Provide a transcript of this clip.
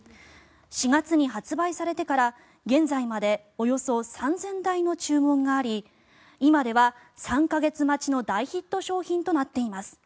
４月に発売されてから現在までおよそ３０００台の注文があり今では３か月待ちの大ヒット商品となっています。